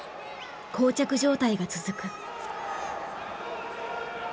こう着状態が続く。